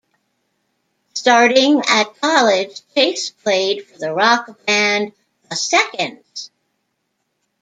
Starting at college, Chase played for the rock band The Seconds.